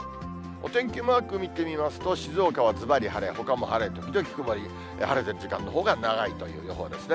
お天気マーク見てみますと、静岡はずばり晴れ、ほかも晴れ時々曇り、晴れてる時間のほうが長いという予報ですね。